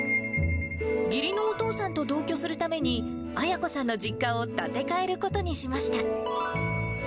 義理のお父さんと同居するために、綾子さんの実家を建て替えることにしました。